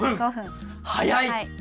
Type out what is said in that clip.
早い！